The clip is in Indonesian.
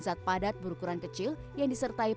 zat padat berukuran kecil yang disertai